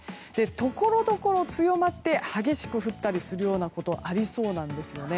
ところどころ強まって激しく降ったりすることがありそうなんです。